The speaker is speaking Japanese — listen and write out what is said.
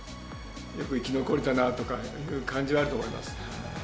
よく生き残れたなという感じはあると思います。